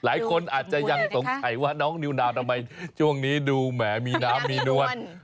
หลายคนอาจจะยังสงสัยว่าน้องนิวนาวทำไมช่วงนี้ดูแหมมีน้ำมีนวล